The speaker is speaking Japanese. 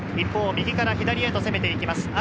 右から左へと攻めていきます